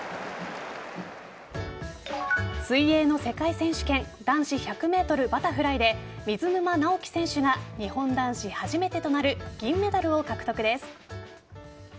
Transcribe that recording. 水泳の世界選手権男子１００ｍバタフライで水沼尚輝選手が日本男子初めてとなる銀メダルを獲得です。